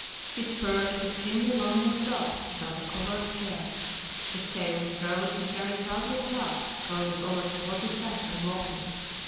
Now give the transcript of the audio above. His fur is extremely long and soft, without a colored hair. His tail is broad and carried proudly aloft, curling over toward his back when walking.